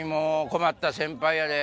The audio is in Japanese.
困った先輩やで。